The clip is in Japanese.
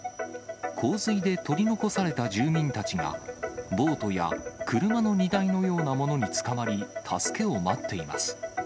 洪水で取り残された住民たちが、ボートや車の荷台のようなものにつかまり、助けを待っています。